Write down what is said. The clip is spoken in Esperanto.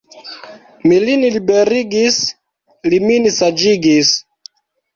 Mi lin liberigis, li min saĝigis.